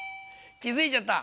気付いちゃった？